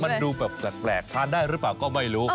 มันดูแบบแปลกทานได้หรือเปล่าก็ไม่รู้